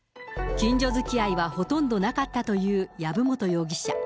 近所づきあいはほとんどなかったという籔本容疑者。